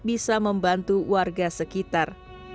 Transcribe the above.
bisa membantu warga sekitar